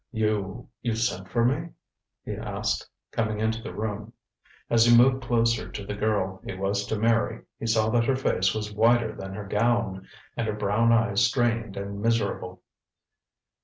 "You you sent for me?" he asked, coming into the room. As he moved closer to the girl he was to marry he saw that her face was whiter than her gown, and her brown eyes strained and miserable.